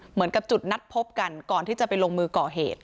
เหมือนกับจุดนัดพบกันก่อนที่จะไปลงมือก่อเหตุ